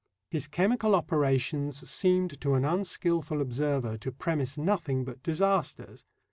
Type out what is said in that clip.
His chemical operations seemed to an unskilful observer to premise nothing but disasters.